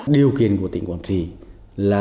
điều kiện của tỉnh quảng trị là